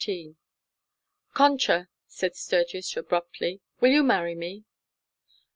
XIII "Concha," said Sturgis abruptly, "will you marry me?"